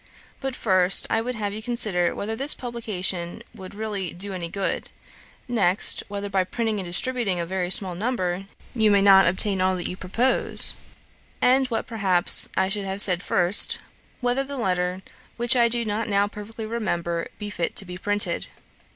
But first, I would have you consider whether the publication will really do any good; next, whether by printing and distributing a very small number, you may not attain all that you propose; and, what perhaps I should have said first, whether the letter, which I do not now perfectly remember, be fit to be printed.